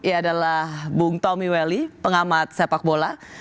ia adalah bung tommy welly pengamat sepak bola